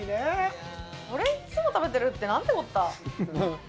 これ、いつも食べてるってなんてこった。